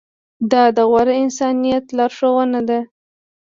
دا د غوره انسانیت لارښوونه ده.